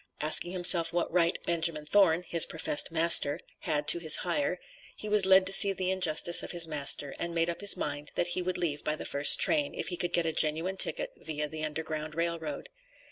Asking himself what right Benjamin Thorn (his professed master) had to his hire, he was led to see the injustice of his master, and made up his mind, that he would leave by the first train, if he could get a genuine ticket viâ the Underground Rail Road.